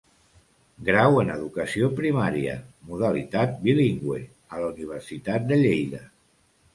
Grau en educació primària, modalitat bilingüe, a la Universitat de Lleida.